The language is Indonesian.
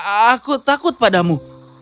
aku takut padamu